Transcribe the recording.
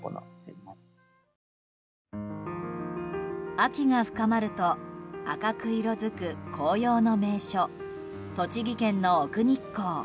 秋が深まると赤く色づく紅葉の名所・栃木県の奥日光。